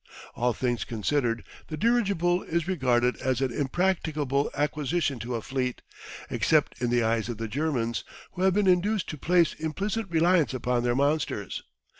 All things considered, the dirigible is regarded as an impracticable acquisition to a fleet, except in the eyes of the Germans, who have been induced to place implicit reliance upon their monsters.